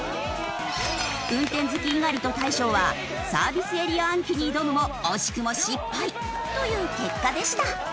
運転好き猪狩と大昇はサービスエリア暗記に挑むも惜しくも失敗！という結果でした。